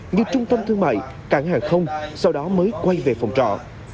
như trung tâm thương mại cảng hàng không sau đó mới quay về phòng trọ